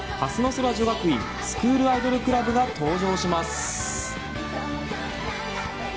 空女学院スクールアイドルクラブが登場します！